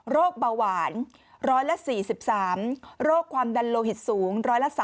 เบาหวาน๑๔๓โรคความดันโลหิตสูง๑๓